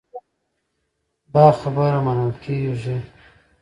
دا خبره منل کېږي.